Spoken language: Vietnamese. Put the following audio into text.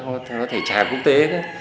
có thể trà quốc tế nữa